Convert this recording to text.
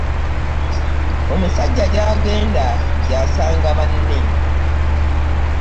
Omusajja gy'agenda gy'asanga banne.